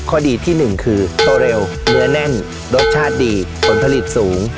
ข้อดีที่หนึ่งคือโตเร็วเนื้อแน่นรสชาติดีผลผลิตสูง